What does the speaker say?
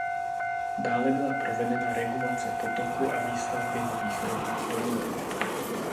Dále byla provedena regulace potoku a výstavby nových rodinných domů.